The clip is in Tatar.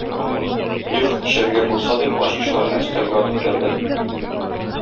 "Их, эчәргә булса",- дип ачкычларны өстәлгә атып бәрде.